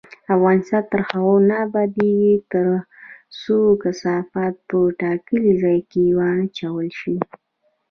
افغانستان تر هغو نه ابادیږي، ترڅو کثافات په ټاکلي ځای کې ونه اچول شي.